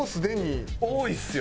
多いですよ